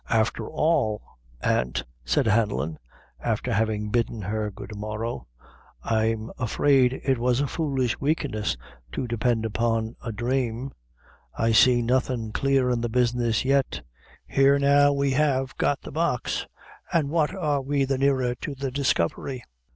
"Afther all, aunt," said Hanlon, after having bidden her good morrow, "I'm afraid it was a foolish weakness to depend upon a dhrame. I see nothing clear in the business yet. Here now we have got the Box, an' what are we the nearer to the discovery?"